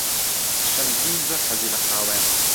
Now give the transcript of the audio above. شەمزین زۆر حەزی لە قاوەیە.